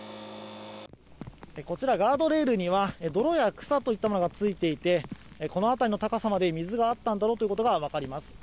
こちら、ガードレールには泥や草といったものがついていてこの辺りの高さまで水があったんだろうということがわかります。